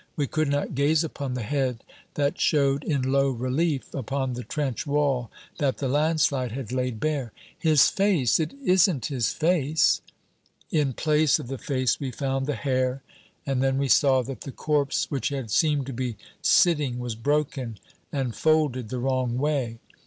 We could not gaze upon the head that showed in low relief upon the trench wall that the landslide had laid bare. "His face? It isn't his face!" In place of the face we found the hair, and then we saw that the corpse which had seemed to be sitting was broken, and folded the wrong way.